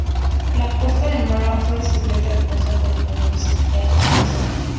La costa del Amapá fue descubierta y reconocida por el español Vicente Yáñez Pinzón.